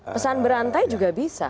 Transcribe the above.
pesan berantai juga bisa